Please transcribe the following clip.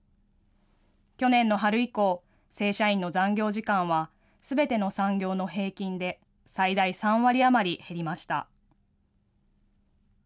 去年の春以降、正社員の残業時間は、すべての産業の平均で最大３割余り減りました。